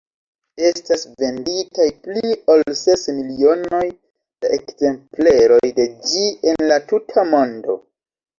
Estas venditaj pli ol ses milionoj da ekzempleroj de ĝi en la tuta mondo.